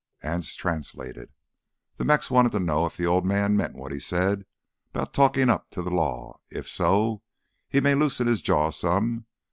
Anse translated. "Th' Mex wanted to know if th' Old Man meant what he said 'bout talkin' up to th' law. If so, he may loosen his jaw some.